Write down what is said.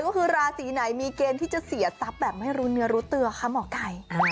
ก็คือราศีไหนมีเกณฑ์ที่จะเสียทรัพย์แบบไม่รู้เนื้อรู้ตัวคะหมอไก่